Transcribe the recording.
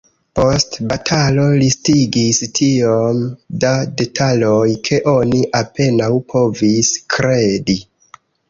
Post batalo listigis tiom da detaloj, ke oni apenaŭ povis kredi.